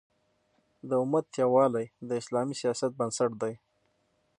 د امت یووالی د اسلامي سیاست بنسټ دی.